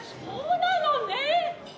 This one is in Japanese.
そうなのね！